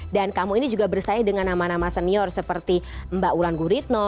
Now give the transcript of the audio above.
dan kamu ini juga bersaing dengan nama nama senior seperti mbak ulan guritno